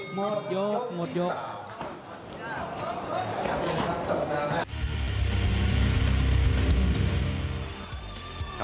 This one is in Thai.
หมดยกหมดยก